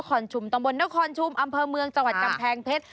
คอนชุมตำบลนครชุมอำเภอเมืองจังหวัดกำแพงเพชร